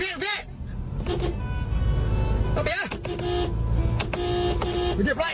โอ้ยโดร้าย